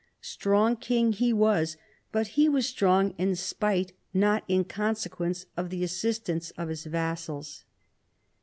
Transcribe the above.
Strong king he was, but he was strong in spite not in consequence of the assist ance of his vassals.